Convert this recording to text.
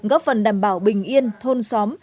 góp phần đảm bảo bình yên thôn xóm